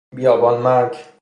بیابان مرگ